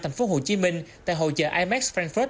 tp hcm tại hội chở imax frankfurt